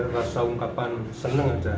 rasa ungkapan senang aja